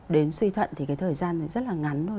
đến suy thận thì cái thời gian rất là ngắn thôi